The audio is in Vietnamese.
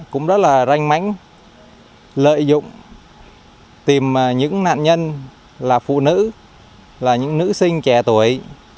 cũng rất là ranh mánh lợi dụng tìm những nạn nhân là phụ nữ là những nữ sinh trẻ tuổi